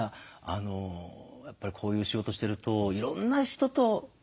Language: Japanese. やっぱりこういう仕事してるといろんな人とずっとね。